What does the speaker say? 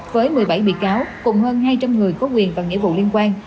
với một mươi bảy bị cáo cùng hơn hai trăm linh người có quyền và nghĩa vụ liên quan